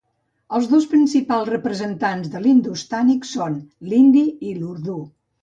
Els dos principals representants de l'hindustànic són l'hindi i l'urdú.